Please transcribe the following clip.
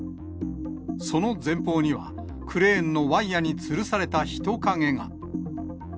その前方には、クレーンのワイヤにつるされた人影が。